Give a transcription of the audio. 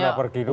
udah pergi dulu